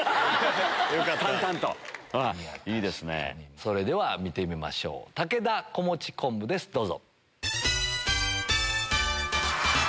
それでは見てみましょう竹田こもちこんぶですどうぞ。